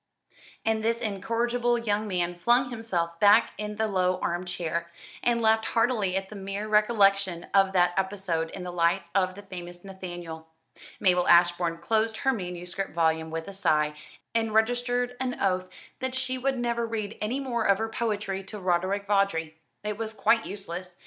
And this incorrigible young man flung himself back in the low arm chair, and laughed heartily at the mere recollection of that episode in the life of the famous Nathaniel. Mabel Ashbourne closed her manuscript volume with a sigh, and registered an oath that she would never read any more of her poetry to Roderick Vawdrey. It was quite useless.